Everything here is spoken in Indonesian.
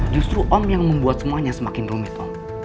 justru om yang membuat semuanya semakin rumit om